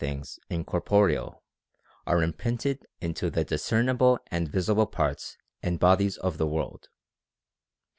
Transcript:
365 things incorporeal are imprinted into the discernible and visible parts and bodies of the world.